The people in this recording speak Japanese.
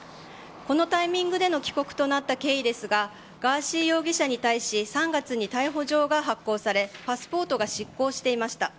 このタイミングでの帰国となった経緯ですがガーシー容疑者に対し３月に逮捕状が発行されパスポートが失効していました。